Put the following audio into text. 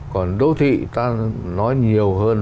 còn đô thị ta nói nhiều hơn